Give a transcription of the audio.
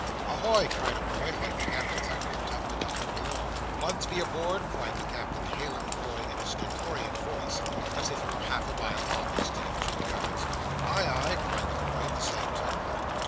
"A hoy!" cried a boy, like the Captain's echo, tumbling up from below. "Bunsby aboard?" cried the Captain, hailing the boy in a stentorian voice, as if he were half a mile off instead of two yards. "Ay, ay!" cried the boy, in the same tone.